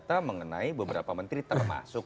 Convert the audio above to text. dan mengenai beberapa menteri termasuk